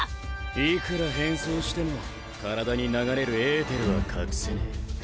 いくら変装しても体に流れるエーテルは隠せねえ。